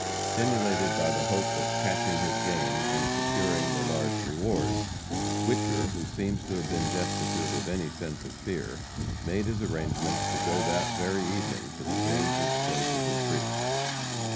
Stimulated by the hope of "catching his game," and securing the large rewards, Whicher, who seems to have been destitute of any sense of fear, made his arrangements to go that very evening to the Jameses' place of retreat.